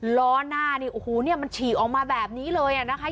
ล้อหน้านี่โอ้โหเนี่ยมันฉีกออกมาแบบนี้เลยอ่ะนะคะ